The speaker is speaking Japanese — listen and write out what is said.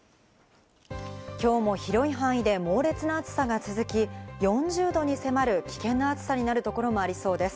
きょうも広い範囲で猛烈な暑さが続き、４０℃に迫る危険な暑さになるところもありそうです。